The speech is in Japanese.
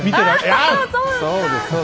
そうですか。